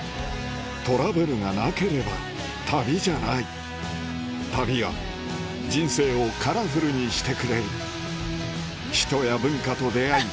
トラブルがなければ旅じゃない旅が人生をカラフルにしてくれる人や文化と出会い